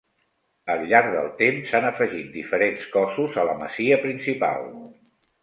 Al llarg del temps s'han afegit diferents cossos a la masia principal.